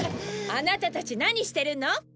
アナタたち何してるの！？